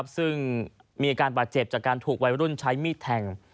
ซึ่งมีอาการบาดเจ็บจากการถูกวัยรุ่นใช้มีดแทง